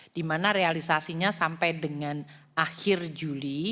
di mana realisasinya sampai dengan akhir juli